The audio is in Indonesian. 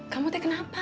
kamu teh kenapa